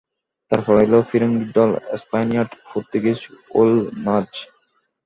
তারপর এল ফিরিঙ্গীর দল, স্পানিয়ার্ড, পোর্তুগীজ, ওলন্দাজ।